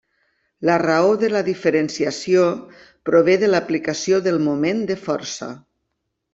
La raó de la diferenciació prové de l'aplicació del moment de força.